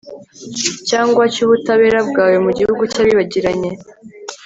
cyangwa cy'ubutabera bwawe mu gihugu cy'abibagiranye